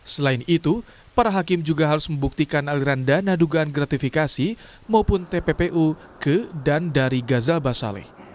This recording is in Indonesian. selain itu para hakim juga harus membuktikan aliran dana dugaan gratifikasi maupun tppu ke dan dari gaza basaleh